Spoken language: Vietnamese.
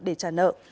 để trả nợ